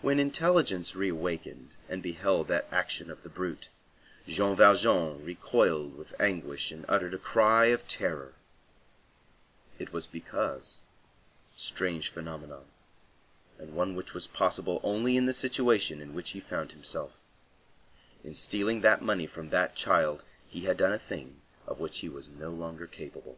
When intelligence reawakened and beheld that action of the brute, Jean Valjean recoiled with anguish and uttered a cry of terror. [Illustration: Awakened] It was because,—strange phenomenon, and one which was possible only in the situation in which he found himself,—in stealing the money from that child, he had done a thing of which he was no longer capable.